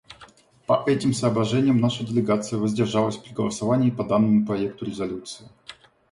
По этим соображениям наша делегация воздержалась при голосовании по данному проекту резолюции.